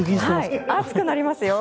暑くなりますよ。